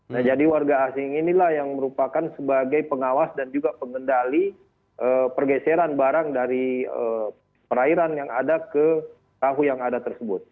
nah jadi warga asing inilah yang merupakan sebagai pengawas dan juga pengendali pergeseran barang dari perairan yang ada ke perahu yang ada tersebut